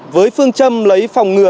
với phương châm lấy phòng ngừa